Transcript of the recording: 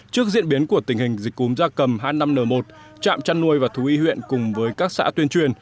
trước diễn biến của tình hình dịch cúm da cầm h năm n một trạm chăn nuôi và thú y huyện cùng với các xã tuyên truyền